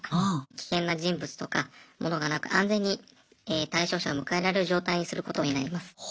危険な人物とか物がなく安全に対象者を迎えられる状態にすることになります。